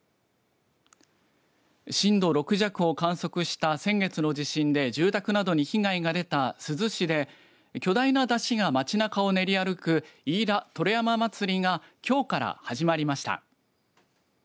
震度６弱を観測した先月の地震で住宅などに被害が出た珠洲市で巨大な山車が街なかを練り歩く飯田燈籠山祭りがきょうから始まりました。